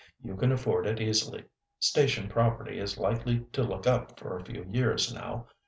You can afford it easily. Station property is likely to look up for a few years now.